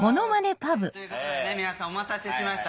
ということでね皆さんお待たせしました。